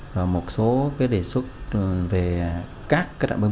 rồi một số đề xuất về các đoạn bơm